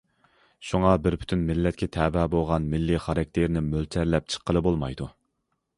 شۇڭا بىر پۈتۈن مىللەتكە تەۋە بولغان مىللىي خاراكتېرنى مۆلچەرلەپ چىققىلى بولمايدۇ.